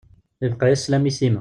Ibeqqa-yas slam i Sima.